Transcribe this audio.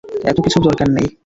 এত কিছুর দরকার নেই।